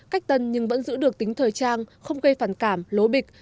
cách tân nhưng vẫn giữ được tính thời trang không gây phản cảm lố bịch